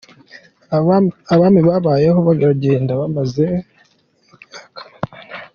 Abami babayeho baragenda bamaze imyaka amagana.